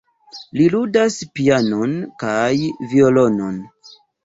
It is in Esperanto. Li ludas pianon kaj violonon.